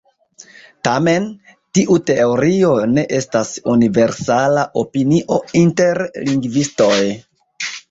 Tamen, tiu teorio ne estas universala opinio inter lingvistoj.